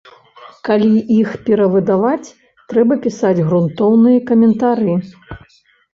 Калі іх перавыдаваць, трэба пісаць грунтоўныя каментары.